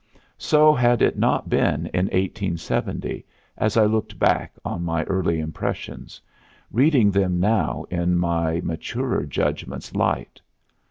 So had it not been in 1870, as I looked back on my early impressions, reading them now in my maturer judgment's light.